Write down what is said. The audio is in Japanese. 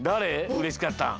うれしかったん。